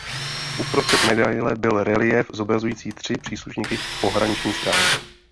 Uprostřed medaile byl reliéf zobrazující tři příslušníky pohraniční stráže.